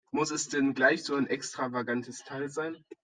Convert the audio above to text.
Muss es denn gleich so ein extravagantes Teil sein?